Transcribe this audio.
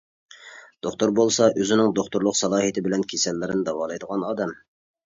دوختۇر بولسا ئۆزىنىڭ دوختۇرلۇق سالاھىيىتى بىلەن كېسەللەرنى داۋالايدىغان ئادەم.